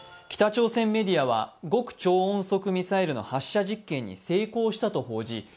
北朝鮮メディアは極超音速ミサイルの発射に成功したと報じ